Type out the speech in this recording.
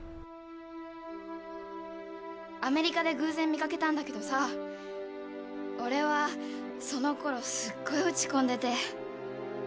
アメリカで偶然見掛けたんだけどさ俺はそのころすごい落ち込んでて。